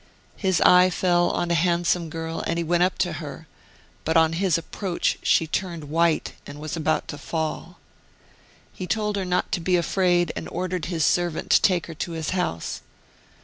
His eye fell on a handsome girl, and he went up to her, but on his approach she turned white and was about to fall. Pie told her not to be afraid, and ordered his servant to take her to his house.